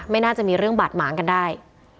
ไม่น่าจะมีเรื่องบาดหมางกันได้